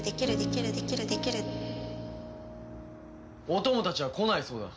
お供たちは来ないそうだ。